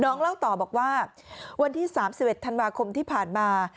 เล่าต่อบอกว่าวันที่๓๑ธันวาคมที่ผ่านมา